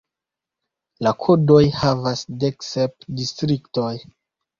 La kodojn havas dek sep distriktoj.